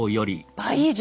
倍以上。